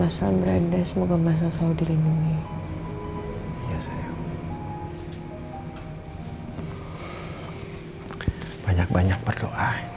semua masalah aku